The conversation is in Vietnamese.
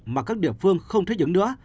mà các địa phương không thích ứng nữa